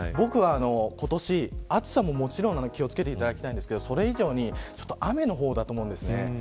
今年、暑さももちろん気を付けていただきたいですがそれ以上に雨の方だと思います。